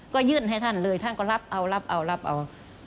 ก็ยื่นให้ท่านเลยท่านก็รับเอารับเอารับเอา